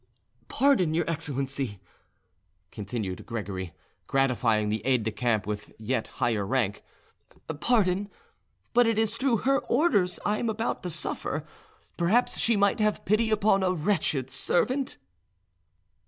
"Pardon, your excellency," continued Gregory, gratifying the aide de camp with yet higher rank,—"pardon, but it is through her orders I am about to suffer. Perhaps she might have pity upon a wretched servant!"